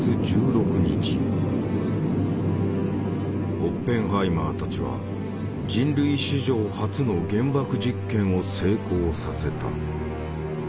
オッペンハイマーたちは人類史上初の原爆実験を成功させた。